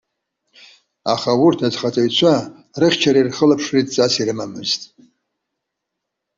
Аха урҭ, азхаҵаҩцәа рыхьчареи рхылаԥшреи дҵас ирымамызт.